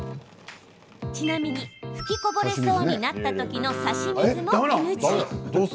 ちなみに、吹きこぼれそうになったときの差し水もＮＧ。